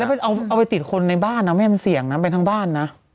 แต่ไปแล้วเอาไปติดคนในบ้านนะไม่มีเอาเป็นเสี่ยงนะไปทั้งบ้านนะ